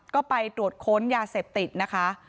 ก็ไปตรวจค้นยาเสพติดนะคะ